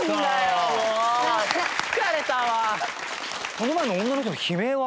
その前の女の人の悲鳴は？